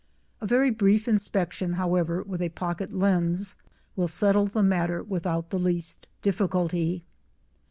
A very brief inspection, however, with a pocket lens will settle the matter without the least difficulty.